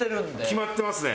決まってますね。